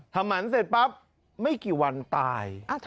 หมันเสร็จปั๊บไม่กี่วันตาย